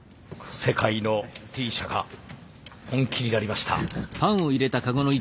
世界のＴ社が本気になりました。